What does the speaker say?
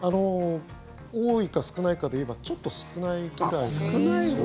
多いか少ないかで言えばちょっと少ないくらいなんです。